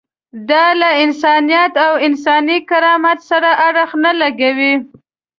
دا له انسانیت او انساني کرامت سره اړخ نه لګوي.